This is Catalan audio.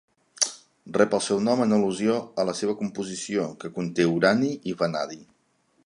Rep el seu nom en al·lusió a la seva composició, que conté urani i vanadi.